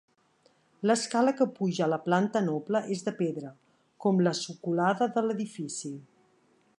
L'escala que puja a la planta noble és de pedra, com la socolada de l'edifici.